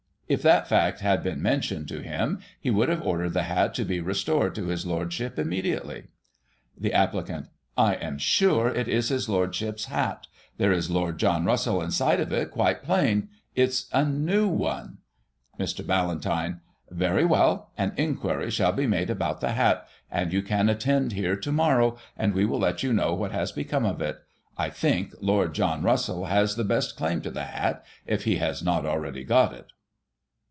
If that fact had been mentioned to him, he would have ordered the hat to be restored to his Lordship immediately. The Applicant : I cim sure it is his Lordship's hat. There is Lord John Russell inside of it, quite plain ; it's a new one. Digiti ized by Google 1838] LORD JOHN RUSSELL'S HAT. 33 Mr. Ballantyne : Very well ; an inquiry shall be made about the hat, and you can attend here to morrow, and we will let you know what has become of it I think Lord John Russell has the best claim to the hat, if he has not already got it.